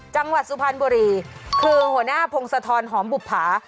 จังหวัดสุพรรณบุรีคือหัวหน้าพงศธรหอมบุภา